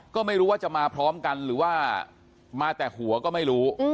ก็ไม่รู้ว่าจะมาพร้อมกันหรือว่ามาแต่หัวก็ไม่รู้